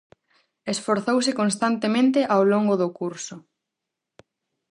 Esforzouse constantemente ao longo do curso.